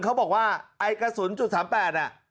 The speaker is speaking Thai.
เขาบอกว่าไอ้กระสุน๓๘น่ะ